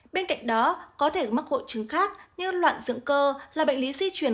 bên cạnh đó có thể mắc hội chứng khác như loạn dưỡng cơ là bệnh lý di chuyển